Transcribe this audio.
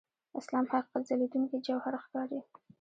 اسلام حقیقت ځلېدونکي جوهر ښکاري.